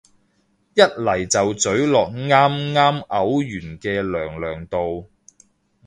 一嚟就咀落啱啱嘔完嘅娘娘度